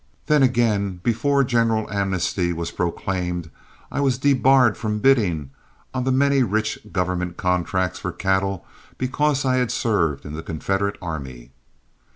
Then again, before general amnesty was proclaimed I was debarred from bidding on the many rich government contracts for cattle because I had served in the Confederate army.